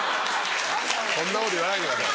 そんなこと言わないでください